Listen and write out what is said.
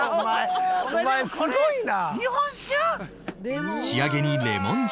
はい。